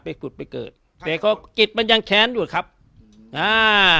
ผุดไปเกิดแต่ก็กิจมันยังแค้นอยู่ครับอ่า